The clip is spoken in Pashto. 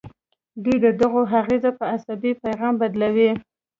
دوی د هغوی اغیزه په عصبي پیغام بدلوي.